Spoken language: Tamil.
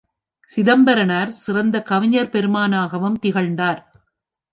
சிதம்பரனார் சிறந்த கவிஞர் பெருமானாகவும் திகழ்ந்தார்.